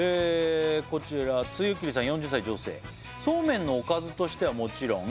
こちらつゆきりさん４０歳女性「そうめんのおかずとしてはもちろん」